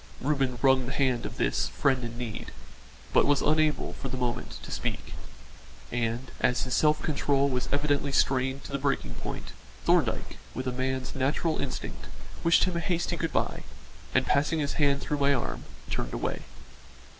Reuben wrung the hand of this "friend in need," but was unable, for the moment, to speak; and, as his self control was evidently strained to the breaking point, Thorndyke, with a man's natural instinct, wished him a hasty good bye, and passing his hand through my arm, turned away.